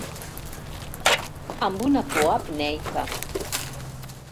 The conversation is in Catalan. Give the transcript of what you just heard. Amb una por apneica.